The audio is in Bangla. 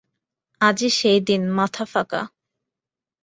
আজই সেইদিন, মাথাফাকা।